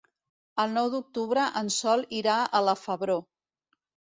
El nou d'octubre en Sol irà a la Febró.